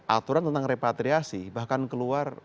aturan tentang repatriasi bahkan keluar